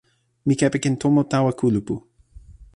mi kepeken tomo tawa kulupu.